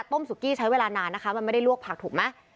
สุกี้ใช้เวลานานนะคะมันไม่ได้ลวกผักถูกไหม